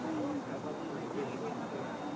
สวัสดีครับทุกคน